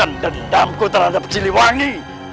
malaskan dendamku terhadap siliwangi